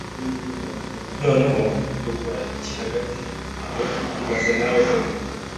Noneho, dukora iki hagati aho ibaze nawe koko